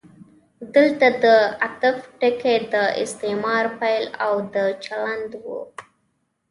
دلته د عطف ټکی د استعمار پیل او د چلند و.